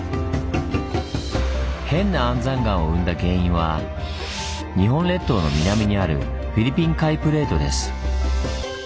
変な安山岩を生んだ原因は日本列島の南にあるフィリピン海プレートです。